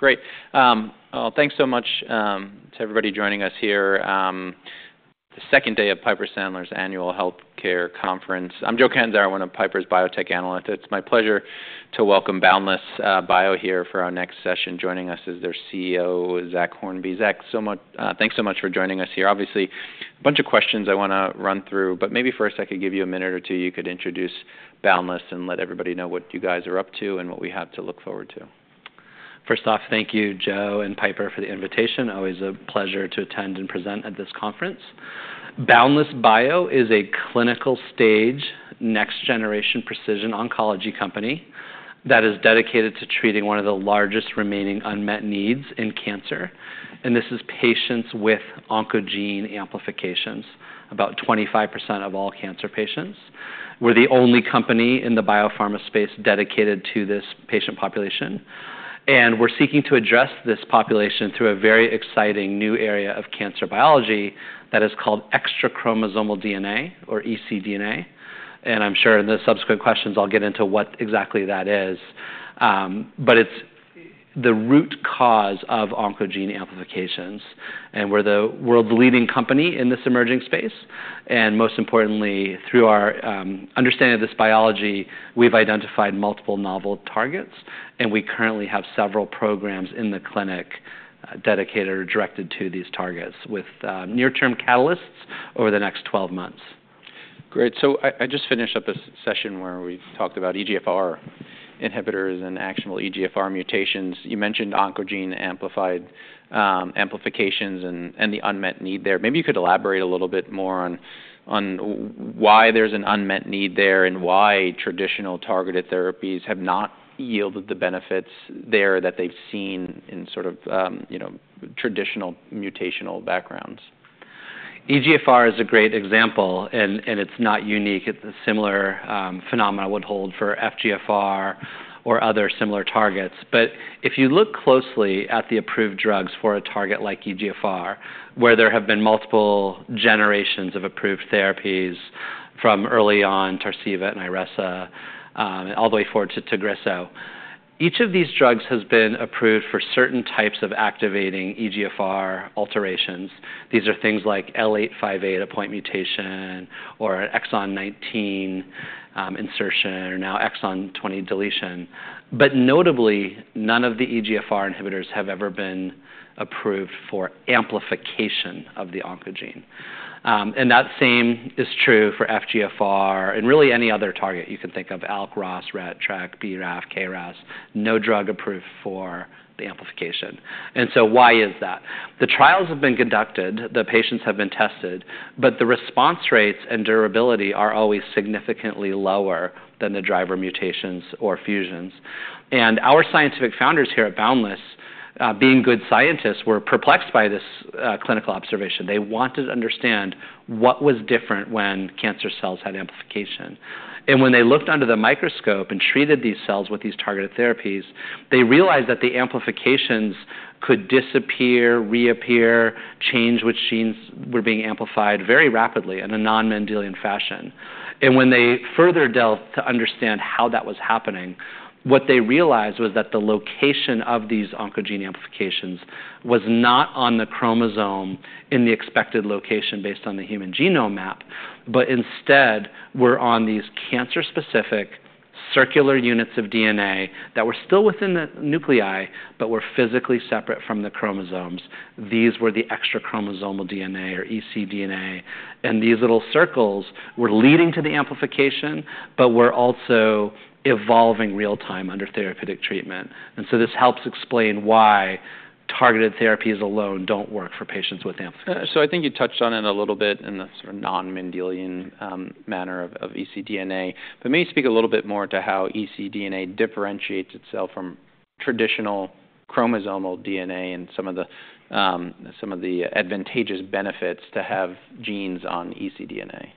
Perfect. Great. Well, thanks so much to everybody joining us here. The second day of Piper Sandler's annual healthcare conference. I'm Joe Catanzaro. I'm one of Piper's biotech analysts. It's my pleasure to welcome Boundless Bio here for our next session. Joining us is their CEO, Zach Hornby. Zach, so much, thanks so much for joining us here. Obviously, a bunch of questions I wanna run through, but maybe first I could give you a minute or two. You could introduce Boundless and let everybody know what you guys are up to and what we have to look forward to. First off, thank you, Joe and Piper, for the invitation. Always a pleasure to attend and present at this conference. Boundless Bio is a clinical-stage next-generation precision oncology company that is dedicated to treating one of the largest remaining unmet needs in cancer. And this is patients with oncogene amplifications, about 25% of all cancer patients. We're the only company in the biopharma space dedicated to this patient population. And we're seeking to address this population through a very exciting new area of cancer biology that is called extrachromosomal DNA, or ecDNA. And I'm sure in the subsequent questions I'll get into what exactly that is. But it's the root cause of oncogene amplifications, and we're the world's leading company in this emerging space. And most importantly, through our understanding of this biology, we've identified multiple novel targets, and we currently have several programs in the clinic dedicated or directed to these targets with near-term catalysts over the next 12 months. Great. So I just finished up this session where we talked about EGFR inhibitors and actual EGFR mutations. You mentioned oncogene amplifications and the unmet need there. Maybe you could elaborate a little bit more on why there's an unmet need there and why traditional targeted therapies have not yielded the benefits there that they've seen in sort of, you know, traditional mutational backgrounds. EGFR is a great example, and it's not unique. It's a similar phenomenon would hold for FGFR or other similar targets. But if you look closely at the approved drugs for a target like EGFR, where there have been multiple generations of approved therapies from early on, Tarceva and Iressa, all the way forward to Tagrisso, each of these drugs has been approved for certain types of activating EGFR alterations. These are things like L858R mutation or exon 19 insertion, or now exon 20 deletion. But notably, none of the EGFR inhibitors have ever been approved for amplification of the oncogene. And that same is true for FGFR and really any other target you can think of: ALK, ROS1, RET, NTRK, BRAF, KRAS. No drug approved for the amplification. And so why is that? The trials have been conducted, the patients have been tested, but the response rates and durability are always significantly lower than the driver mutations or fusions. And our scientific founders here at Boundless, being good scientists, were perplexed by this clinical observation. They wanted to understand what was different when cancer cells had amplification. And when they looked under the microscope and treated these cells with these targeted therapies, they realized that the amplifications could disappear, reappear, change which genes were being amplified very rapidly in a non-Mendelian fashion. And when they further delved to understand how that was happening, what they realized was that the location of these oncogene amplifications was not on the chromosome in the expected location based on the human genome map, but instead were on these cancer-specific circular units of DNA that were still within the nuclei but were physically separate from the chromosomes. These were the extrachromosomal DNA or ecDNA. And these little circles were leading to the amplification, but were also evolving real-time under therapeutic treatment. And so this helps explain why targeted therapies alone don't work for patients with amplification. So I think you touched on it a little bit in the sort of non-Mendelian manner of ecDNA. But maybe speak a little bit more to how ecDNA differentiates itself from traditional chromosomal DNA and some of the advantageous benefits to have genes on ecDNA.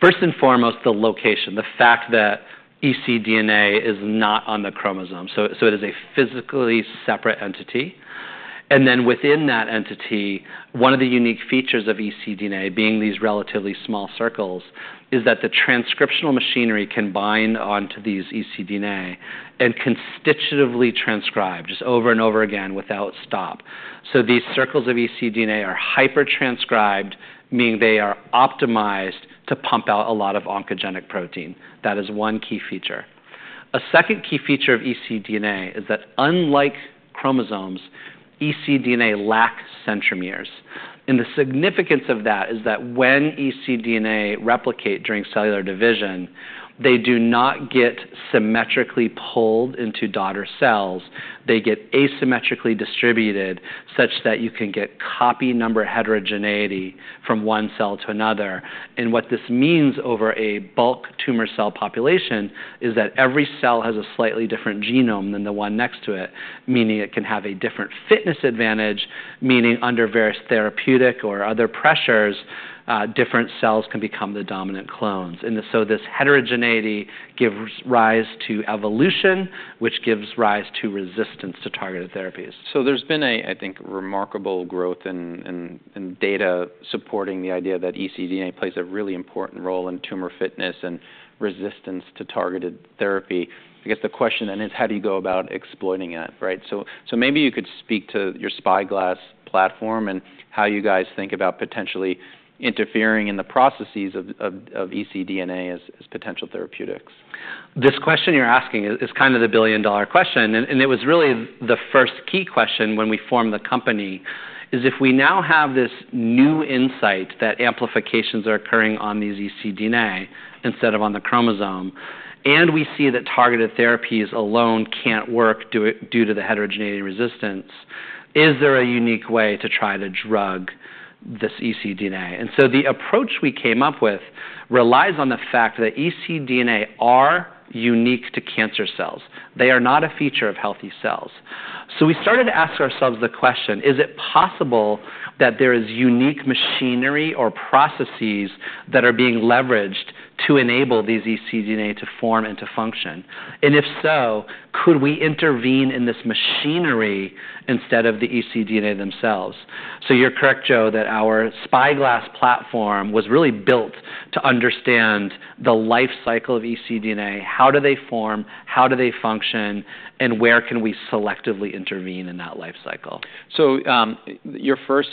First and foremost, the location, the fact that ecDNA is not on the chromosome, so it is a physically separate entity, and then within that entity, one of the unique features of ecDNA, being these relatively small circles, is that the transcriptional machinery can bind onto these ecDNA and constitutively transcribe just over and over again without stop, so these circles of ecDNA are hyper-transcribed, meaning they are optimized to pump out a lot of oncogenic protein. That is one key feature. A second key feature of ecDNA is that, unlike chromosomes, ecDNA lacks centromeres, and the significance of that is that when ecDNA replicate during cellular division, they do not get symmetrically pulled into daughter cells, they get asymmetrically distributed such that you can get copy number heterogeneity from one cell to another. And what this means over a bulk tumor cell population is that every cell has a slightly different genome than the one next to it, meaning it can have a different fitness advantage, meaning under various therapeutic or other pressures, different cells can become the dominant clones. And so this heterogeneity gives rise to evolution, which gives rise to resistance to targeted therapies. There's been a, I think, remarkable growth in data supporting the idea that ecDNA plays a really important role in tumor fitness and resistance to targeted therapy. I guess the question then is, how do you go about exploiting that, right? So maybe you could speak to your Spyglass platform and how you guys think about potentially interfering in the processes of ecDNA as potential therapeutics. This question you're asking is kind of the billion-dollar question. And it was really the first key question when we formed the company, is if we now have this new insight that amplifications are occurring on these ecDNA instead of on the chromosome, and we see that targeted therapies alone can't work due to the heterogeneity resistance, is there a unique way to try to drug this ecDNA? And so the approach we came up with relies on the fact that ecDNA are unique to cancer cells. They are not a feature of healthy cells. So we started to ask ourselves the question, is it possible that there is unique machinery or processes that are being leveraged to enable these ecDNA to form and to function? And if so, could we intervene in this machinery instead of the ecDNA themselves? So you're correct, Joe, that our Spyglass platform was really built to understand the life cycle of ecDNA. How do they form? How do they function? And where can we selectively intervene in that life cycle? So, your first,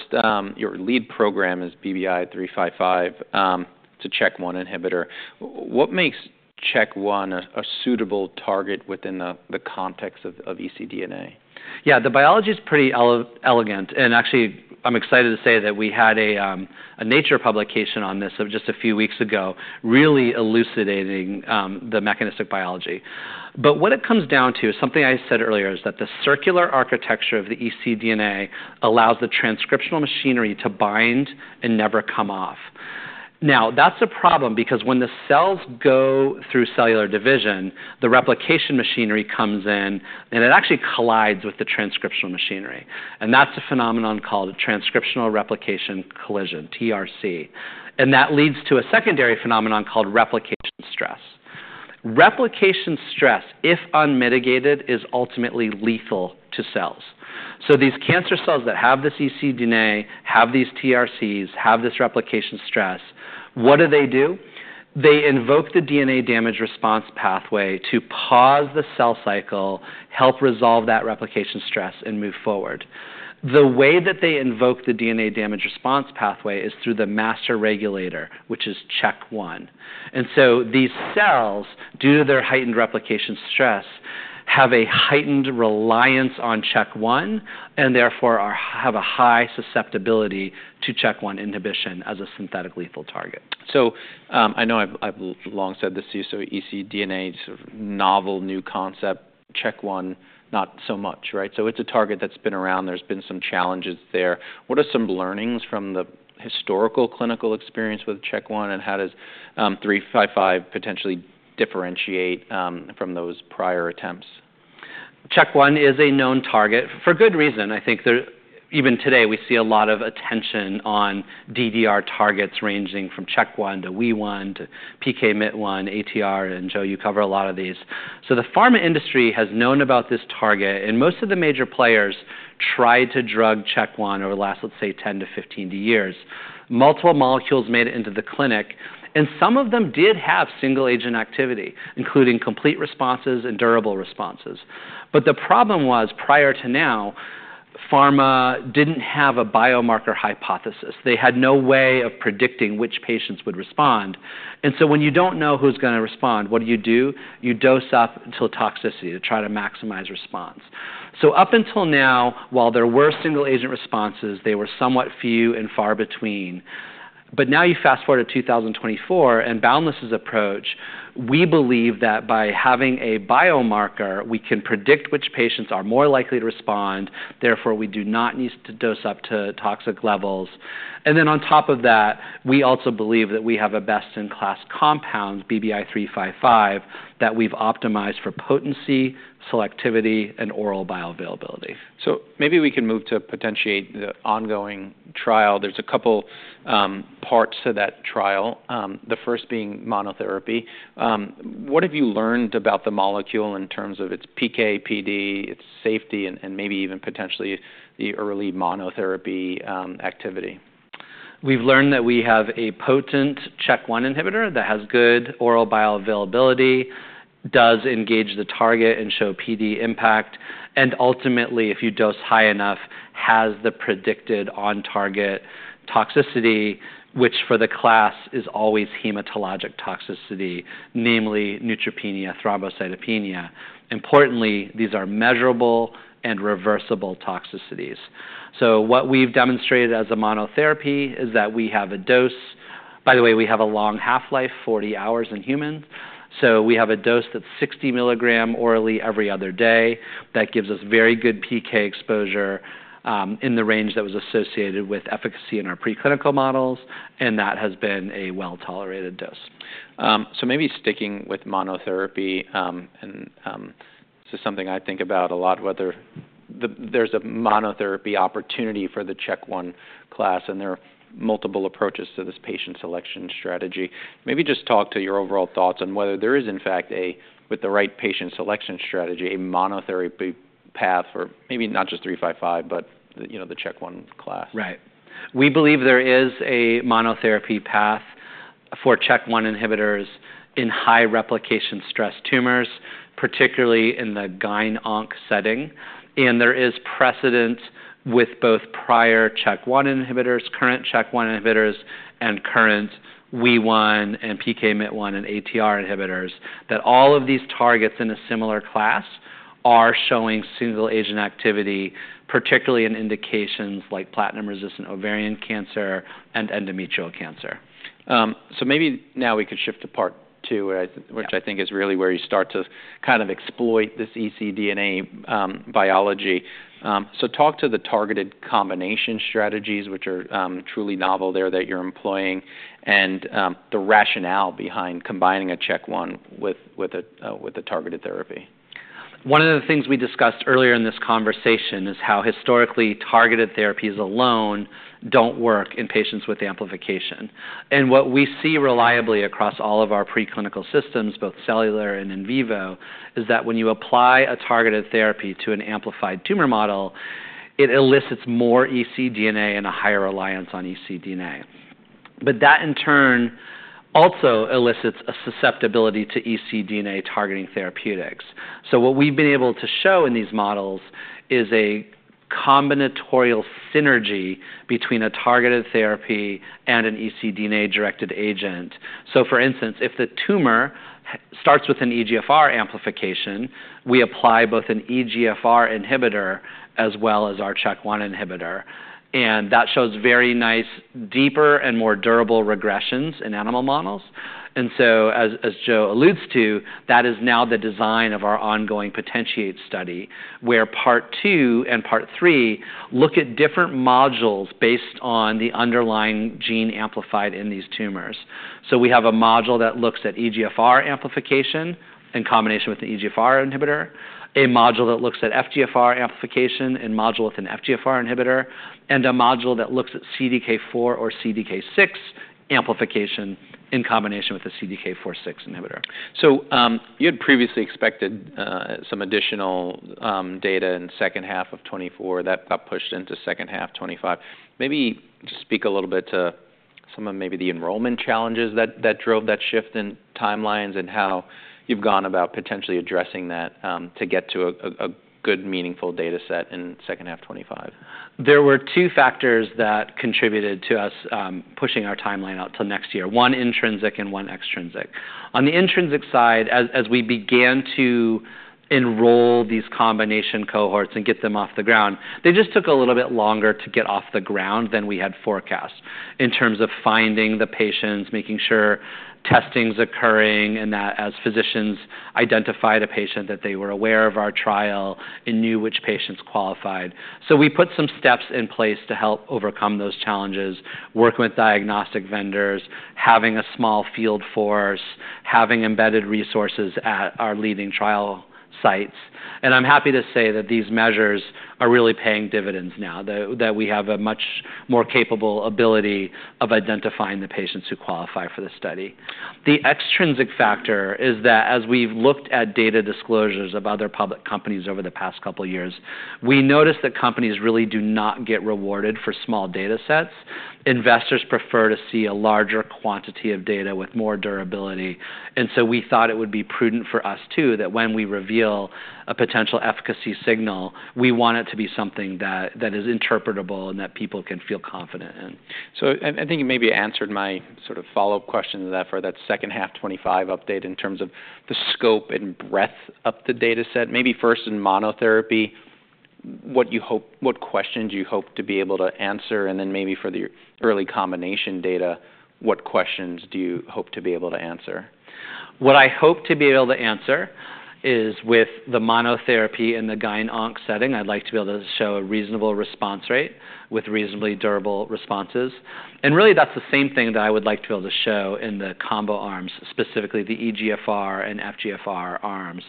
your lead program is BBI-355, a CHK1 inhibitor. What makes CHK1 a suitable target within the context of ecDNA? Yeah, the biology's pretty elegant and actually, I'm excited to say that we had a Nature publication on this just a few weeks ago, really elucidating the mechanistic biology but what it comes down to, something I said earlier, is that the circular architecture of the ecDNA allows the transcriptional machinery to bind and never come off. Now, that's a problem because when the cells go through cellular division, the replication machinery comes in and it actually collides with the transcriptional machinery, and that's a phenomenon called transcriptional replication collision, TRC, and that leads to a secondary phenomenon called replication stress. Replication stress, if unmitigated, is ultimately lethal to cells so these cancer cells that have this ecDNA have these TRCs, have this replication stress. What do they do? They invoke the DNA damage response pathway to pause the cell cycle, help resolve that replication stress, and move forward. The way that they invoke the DNA damage response pathway is through the master regulator, which is CHK1, and so these cells, due to their heightened replication stress, have a heightened reliance on CHK1 and therefore have a high susceptibility to CHK1 inhibition as a synthetic lethal target. So, I know I've long said this to you. So ecDNA's sort of novel, new concept, CHK1, not so much, right? So it's a target that's been around. There's been some challenges there. What are some learnings from the historical clinical experience with CHK1? And how does 355 potentially differentiate from those prior attempts? CHK1 is a known target for good reason. I think there even today we see a lot of attention on DDR targets ranging from CHK1 to WEE1 to PKMYT1, ATR, and Joe, you cover a lot of these. So the pharma industry has known about this target, and most of the major players tried to drug CHK1 over the last, let's say, 10-15 years. Multiple molecules made it into the clinic, and some of them did have single-agent activity, including complete responses and durable responses. But the problem was prior to now, pharma didn't have a biomarker hypothesis. They had no way of predicting which patients would respond. And so when you don't know who's gonna respond, what do you do? You dose up until toxicity to try to maximize response. So up until now, while there were single-agent responses, they were somewhat few and far between. But now you fast forward to 2024 and Boundless's approach, we believe that by having a biomarker, we can predict which patients are more likely to respond. Therefore, we do not need to dose up to toxic levels. And then on top of that, we also believe that we have a best-in-class compound, BBI-355, that we've optimized for potency, selectivity, and oral bioavailability. So maybe we can move to POTENTIATE, the ongoing trial. There's a couple parts to that trial, the first being monotherapy. What have you learned about the molecule in terms of its PK, PD, its safety, and maybe even potentially the early monotherapy activity? We've learned that we have a potent CHK1 inhibitor that has good oral bioavailability, does engage the target and show PD impact, and ultimately, if you dose high enough, has the predicted on-target toxicity, which for the class is always hematologic toxicity, namely neutropenia, thrombocytopenia. Importantly, these are measurable and reversible toxicities. So what we've demonstrated as a monotherapy is that we have a dose, by the way, we have a long half-life, 40 hours in humans. So we have a dose that's 60 milligram orally every other day. That gives us very good PK exposure, in the range that was associated with efficacy in our preclinical models, and that has been a well-tolerated dose. So maybe sticking with monotherapy, and this is something I think about a lot, whether there's a monotherapy opportunity for the CHK1 class. And there are multiple approaches to this patient selection strategy. Maybe just talk to your overall thoughts on whether there is, in fact, a, with the right patient selection strategy, a monotherapy path for maybe not just 355, but, you know, the CHK1 class. Right. We believe there is a monotherapy path for CHK1 inhibitors in high replication stress tumors, particularly in the GAIN-ONC setting, and there is precedent with both prior CHK1 inhibitors, current CHK1 inhibitors, and current WEE1 and PKMYT1 and ATR inhibitors that all of these targets in a similar class are showing single-agent activity, particularly in indications like platinum-resistant ovarian cancer and endometrial cancer. So maybe now we could shift to part two, which I think is really where you start to kind of exploit this ecDNA biology. So talk to the targeted combination strategies, which are truly novel there that you're employing, and the rationale behind combining a CHK1 with a targeted therapy. One of the things we discussed earlier in this conversation is how historically targeted therapies alone don't work in patients with amplification, and what we see reliably across all of our preclinical systems, both cellular and in vivo, is that when you apply a targeted therapy to an amplified tumor model, it elicits more ecDNA and a higher reliance on ecDNA, but that in turn also elicits a susceptibility to ecDNA targeting therapeutics, so what we've been able to show in these models is a combinatorial synergy between a targeted therapy and an ecDNA directed agent, so for instance, if the tumor starts with an EGFR amplification, we apply both an EGFR inhibitor as well as our CHK1 inhibitor, and that shows very nice, deeper and more durable regressions in animal models. As Joe alludes to, that is now the design of our ongoing POTENTIATE study where part two and part three look at different modules based on the underlying gene amplified in these tumors. We have a module that looks at EGFR amplification in combination with an EGFR inhibitor, a module that looks at FGFR amplification in combination with an FGFR inhibitor, and a module that looks at CDK4 or CDK6 amplification in combination with a CDK4/6 inhibitor. You had previously expected some additional data in the second half of 2024 that got pushed into the second half of 2025. Maybe just speak a little bit to some of maybe the enrollment challenges that drove that shift in timelines and how you've gone about potentially addressing that to get to a good meaningful data set in the second half of 2025? There were two factors that contributed to us, pushing our timeline out till next year, one intrinsic and one extrinsic. On the intrinsic side, as we began to enroll these combination cohorts and get them off the ground, they just took a little bit longer to get off the ground than we had forecast in terms of finding the patients, making sure testing's occurring, and that as physicians identified a patient that they were aware of our trial and knew which patients qualified. So we put some steps in place to help overcome those challenges, work with diagnostic vendors, having a small field force, having embedded resources at our leading trial sites, and I'm happy to say that these measures are really paying dividends now that we have a much more capable ability of identifying the patients who qualify for the study. The extrinsic factor is that as we've looked at data disclosures of other public companies over the past couple of years, we noticed that companies really do not get rewarded for small data sets. Investors prefer to see a larger quantity of data with more durability, and so we thought it would be prudent for us too, that when we reveal a potential efficacy signal, we want it to be something that, that is interpretable and that people can feel confident in. I think you maybe answered my sort of follow-up question to that for that second half of 2025 update in terms of the scope and breadth of the data set. Maybe first in monotherapy, what questions do you hope to be able to answer? Then maybe for the early combination data, what questions do you hope to be able to answer? What I hope to be able to answer is with the monotherapy in the GAIN-ONC setting, I'd like to be able to show a reasonable response rate with reasonably durable responses. And really that's the same thing that I would like to be able to show in the combo arms, specifically the EGFR and FGFR arms.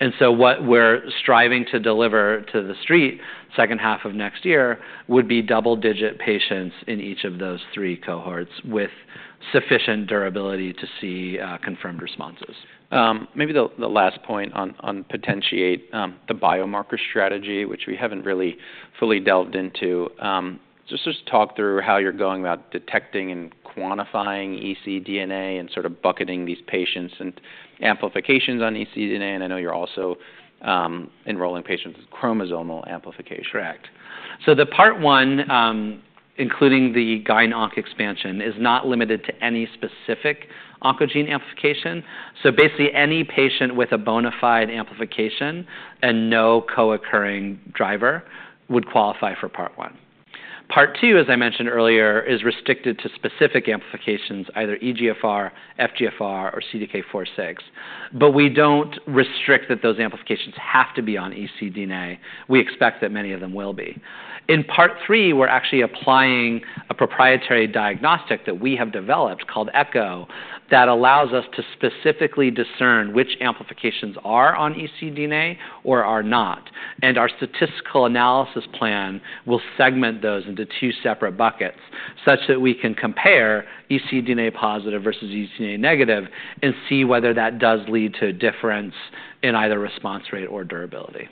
And so what we're striving to deliver to the Street second half of next year would be double-digit patients in each of those three cohorts with sufficient durability to see confirmed responses. Maybe the last point on POTENTIATE, the biomarker strategy, which we haven't really fully delved into, just to talk through how you're going about detecting and quantifying ecDNA and sort of bucketing these patients and amplifications on ecDNA. I know you're also enrolling patients with chromosomal amplification. Correct. So the part one, including the GAIN-ONC expansion is not limited to any specific oncogene amplification. So basically any patient with a bona fide amplification and no co-occurring driver would qualify for part one. Part two, as I mentioned earlier, is restricted to specific amplifications, either EGFR, FGFR, or CDK4/6. But we don't restrict that those amplifications have to be on ecDNA. We expect that many of them will be. In part three, we're actually applying a proprietary diagnostic that we have developed called ECHO that allows us to specifically discern which amplifications are on ecDNA or are not. And our statistical analysis plan will segment those into two separate buckets such that we can compare ecDNA positive versus ecDNA negative and see whether that does lead to a difference in either response rate or durability.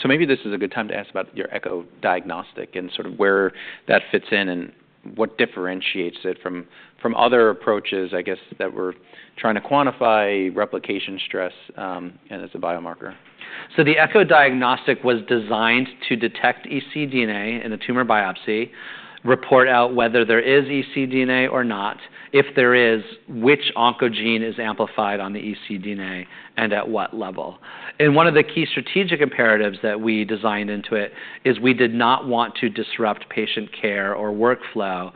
So maybe this is a good time to ask about your ECHO diagnostic and sort of where that fits in and what differentiates it from other approaches, I guess, that we're trying to quantify replication stress, and as a biomarker. So the ECHO diagnostic was designed to detect ecDNA in a tumor biopsy, report out whether there is ecDNA or not. If there is, which oncogene is amplified on the ecDNA and at what level? And one of the key strategic imperatives that we designed into it is we did not want to disrupt patient care or workflow.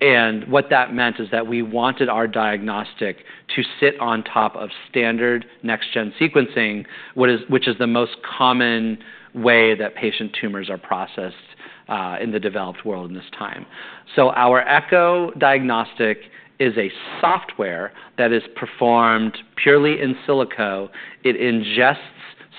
And what that meant is that we wanted our diagnostic to sit on top of standard next-gen sequencing, which is the most common way that patient tumors are processed, in the developed world in this time. So our ECHO diagnostic is a software that is performed purely in silico. It ingests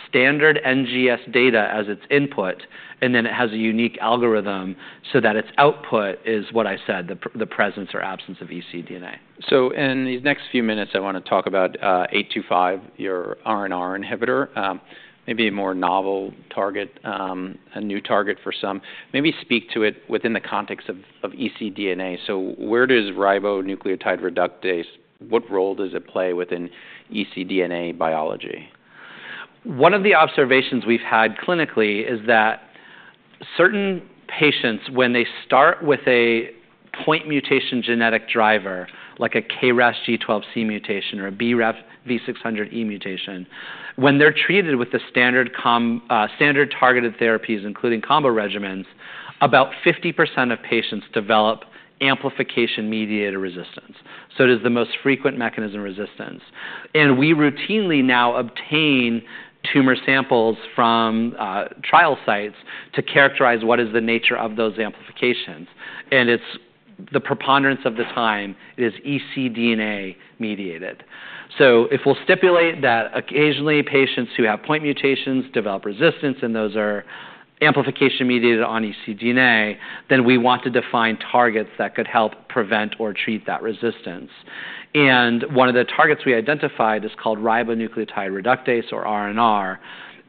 standard NGS data as its input, and then it has a unique algorithm so that its output is what I said, the presence or absence of ecDNA. So in these next few minutes, I wanna talk about 825, your RNR inhibitor, maybe a more novel target, a new target for some. Maybe speak to it within the context of ecDNA. So where does ribonucleotide reductase, what role does it play within ecDNA biology? One of the observations we've had clinically is that certain patients, when they start with a point mutation genetic driver, like a KRAS G12C mutation or a BRAF V600E mutation, when they're treated with the standard targeted therapies, including combo regimens, about 50% of patients develop amplification-mediated resistance. So it is the most frequent mechanism of resistance. And we routinely now obtain tumor samples from trial sites to characterize what is the nature of those amplifications. And it's the preponderance of the time is ecDNA mediated. So if we'll stipulate that occasionally patients who have point mutations develop resistance and those are amplification-mediated on ecDNA, then we want to define targets that could help prevent or treat that resistance. And one of the targets we identified is called ribonucleotide reductase or RNR.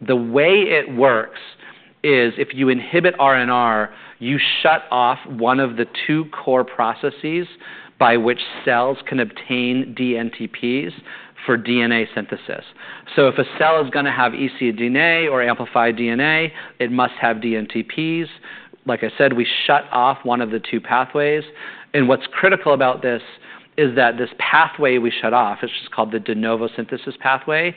The way it works is if you inhibit RNR, you shut off one of the two core processes by which cells can obtain dNTPs for DNA synthesis. So if a cell is gonna have ecDNA or amplified DNA, it must have dNTPs. Like I said, we shut off one of the two pathways. What's critical about this is that this pathway we shut off, it's just called the de novo synthesis pathway,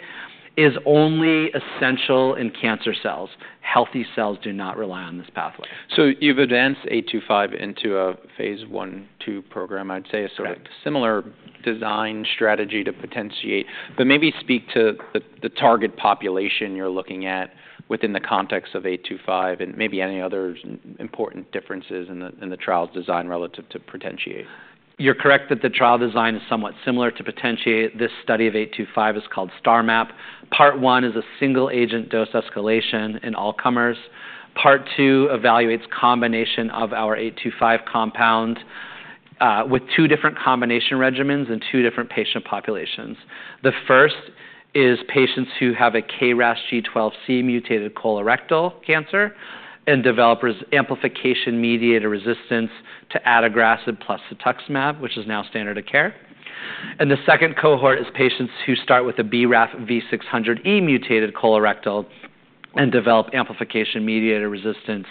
is only essential in cancer cells. Healthy cells do not rely on this pathway. So you've advanced 825 into a phase one two program. I'd say a sort of similar design strategy to POTENTIATE, but maybe speak to the, the target population you're looking at within the context of 825 and maybe any other important differences in the, in the trial's design relative to POTENTIATE. You're correct that the trial design is somewhat similar to POTENTIATE. This study of 825 is called STARMAP. Part one is a single-agent dose escalation in all comers. Part two evaluates a combination of our 825 compound, with two different combination regimens and two different patient populations. The first is patients who have a KRAS G12C mutated colorectal cancer and develop amplification-mediated resistance to adagrasib plus cetuximab, which is now standard of care. And the second cohort is patients who start with a BRAF V600E mutated colorectal and develop amplification-mediated resistance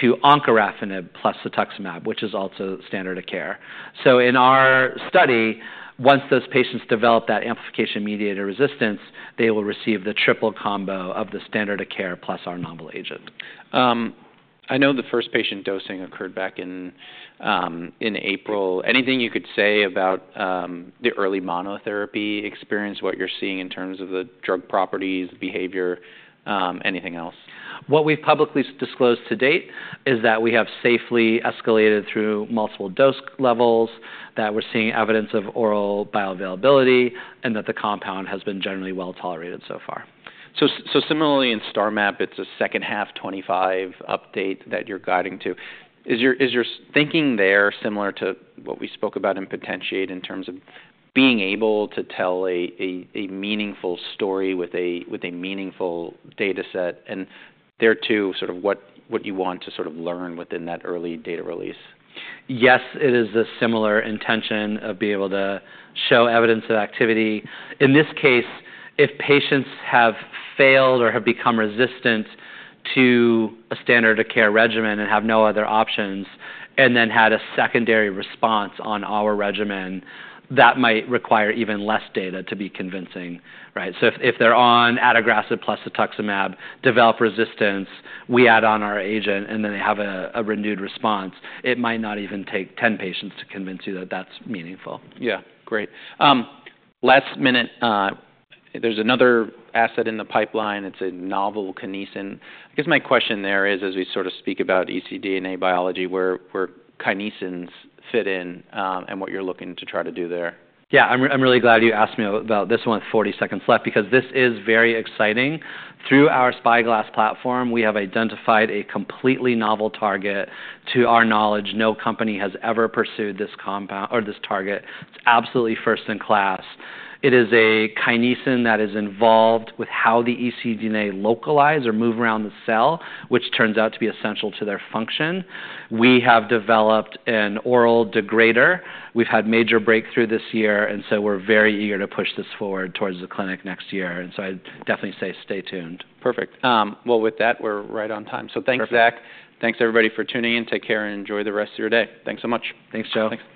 to encorafenib plus cetuximab, which is also standard of care. So in our study, once those patients develop that amplification-mediated resistance, they will receive the triple combo of the standard of care plus our novel agent. I know the first patient dosing occurred back in April. Anything you could say about the early monotherapy experience, what you're seeing in terms of the drug properties, behavior, anything else? What we've publicly disclosed to date is that we have safely escalated through multiple dose levels, that we're seeing evidence of oral bioavailability, and that the compound has been generally well tolerated so far. So similarly in STARMAP, it's a second half 2025 update that you're guiding to. Is your thinking there similar to what we spoke about in POTENTIATE in terms of being able to tell a meaningful story with a meaningful data set? And there too, sort of what you want to sort of learn within that early data release? Yes, it is a similar intention of being able to show evidence of activity. In this case, if patients have failed or have become resistant to a standard of care regimen and have no other options, and then had a secondary response on our regimen, that might require even less data to be convincing, right? So if they're on adagrasib plus cetuximab and develop resistance, we add on our agent, and then they have a renewed response. It might not even take 10 patients to convince you that that's meaningful. Yeah. Great. Last minute, there's another asset in the pipeline. It's a novel kinesin. I guess my question there is, as we sort of speak about ecDNA biology, where, where kinesins fit in, and what you're looking to try to do there. Yeah, I'm really glad you asked me about this one with 40 seconds left because this is very exciting. Through our Spyglass platform, we have identified a completely novel target. To our knowledge, no company has ever pursued this compound or this target. It's absolutely first in class. It is a kinesin that is involved with how the ecDNA localize or move around the cell, which turns out to be essential to their function. We have developed an oral degrader. We've had major breakthrough this year, and so we're very eager to push this forward towards the clinic next year. And so I definitely say stay tuned. Perfect. Well, with that, we're right on time. So thanks, Zach. Perfect. Thanks everybody for tuning in. Take care and enjoy the rest of your day. Thanks so much. Thanks, Joe.